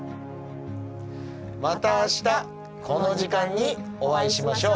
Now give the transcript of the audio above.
また明日この時間にお会いしましょう。